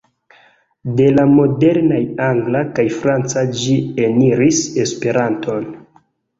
De la modernaj angla kaj franca ĝi eniris Esperanton.